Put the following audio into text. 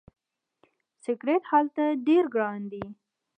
سیګرټ هلته ډیر ګران دي.